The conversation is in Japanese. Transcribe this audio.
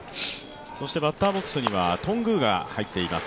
バッターボックスには頓宮が入っています。